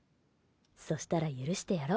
そしたら許してやろ。